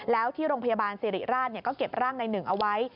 แล้วที่โรงพยาบาลสิริราชก็เก็บร่างในหนึ่งเอาไว้